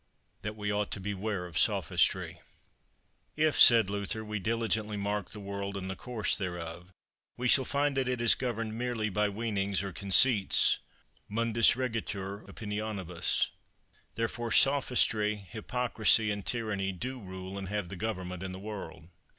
That we ought to beware of Sophistry. If, said Luther, we diligently mark the world and the course thereof, we shall find that it is governed merely by weenings or conceits, Mundus regitur opinionibus. Therefore sophistry, hypocrisy, and tyranny do rule and have the government in the world.